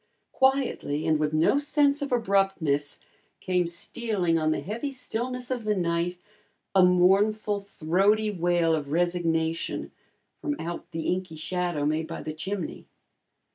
Quietly and with no sense of abruptness, came stealing on the heavy stillness of the night, a mournful, throaty wail of resignation from out the inky shadow made by the chimney.